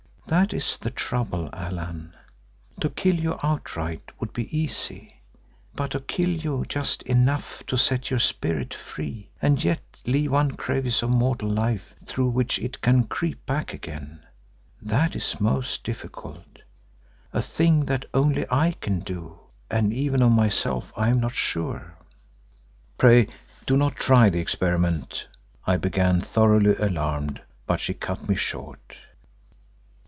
That is the trouble, Allan. To kill you outright would be easy, but to kill you just enough to set your spirit free and yet leave one crevice of mortal life through which it can creep back again, that is most difficult; a thing that only I can do and even of myself I am not sure." "Pray do not try the experiment——" I began thoroughly alarmed, but she cut me short.